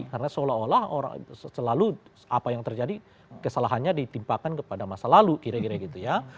karena seolah olah selalu apa yang terjadi kesalahannya ditimpakan kepada masa lalu kira kira gitu ya